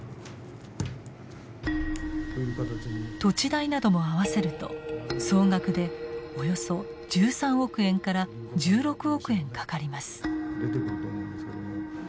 土地代なども合わせると総額でおよそ１３億円から１６億円かかります。